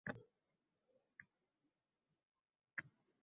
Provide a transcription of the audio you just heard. Uning “barakalla” degan e’tirofi bor.